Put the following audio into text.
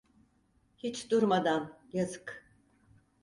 Hiç durmadan, yazık!